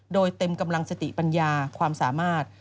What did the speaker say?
โดยเต็มกำลังสติปัญญาความสามารถ